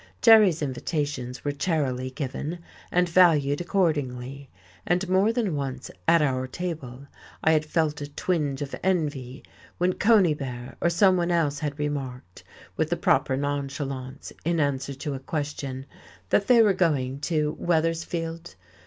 Jerry's invitations were charily given, and valued accordingly; and more than once, at our table, I had felt a twinge of envy when Conybear or someone else had remarked, with the proper nonchalance, in answer to a question, that they were going to Weathersfield.